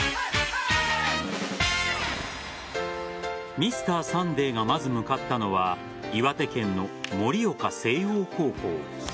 「Ｍｒ．サンデー」がまず向かったのは岩手県の盛岡誠桜高校。